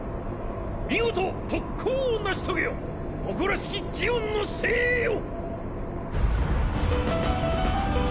見事特攻を成し遂げよ誇らしきジオンの精鋭よ！